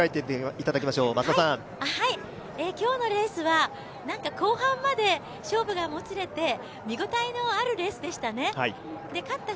今日のレースは後半まで勝負がもつれて見応えのあるレースでしたね。